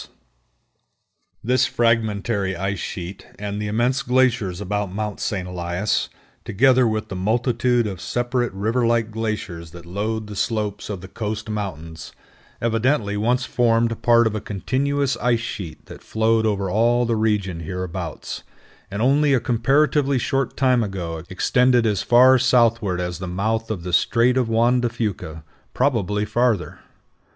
[Illustration: MOUNT RAINIER; NORTH PUYALLUP GLACIER FROM EAGLE CLIFF] This fragmentary ice sheet, and the immense glaciers about Mount St. Elias, together with the multitude of separate river like glaciers that load the slopes of the coast mountains, evidently once formed part of a continuous ice sheet that flowed over all the region hereabouts, and only a comparatively short time ago extended as far southward as the mouth of the Strait of Juan de Fuca, probably farther.